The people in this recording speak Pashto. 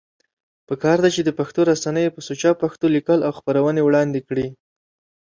پکار ده چې دا پښتو رسنۍ په سوچه پښتو ليکل او خپرونې وړاندی کړي